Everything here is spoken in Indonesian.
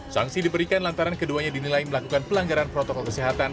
sanksi diberikan lantaran keduanya dinilai melakukan pelanggaran protokol kesehatan